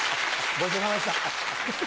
ごちそうさまでした。